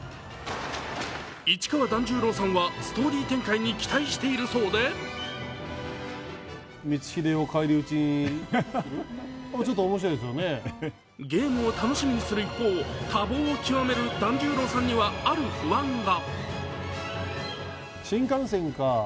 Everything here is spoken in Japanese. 市川團十郎さんはストーリー展開に期待しているそうでゲームを楽しみにする一方、多忙をきわめる團十郎さんには、ある不安が。